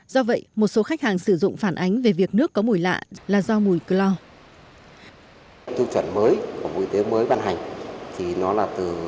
do vậy một số khách hàng sử dụng phản ánh về việc nước có mùi lạ là do mùi clor